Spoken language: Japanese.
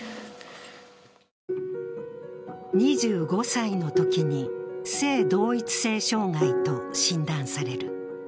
２５歳のときに性同一性障害と診断される。